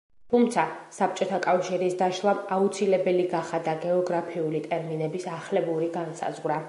თუმცა, საბჭოთა კავშირის დაშლამ აუცილებელი გახადა გეოგრაფიული ტერმინების ახლებური განსაზღვრა.